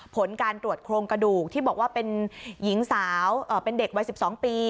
ผลการตรวจโครงกระดูกที่บอกว่าเป็นหญิงสาวเป็นเด็กวัย๑๒ปี